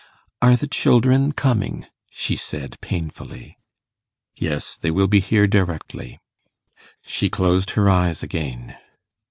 'Are the children coming?' she said, painfully. 'Yes, they will be here directly.' She closed her eyes again.